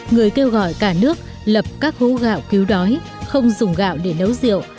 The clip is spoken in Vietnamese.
người kêu gọi cả nước lập các hố gạo cứu đói không dùng gạo để nấu rượu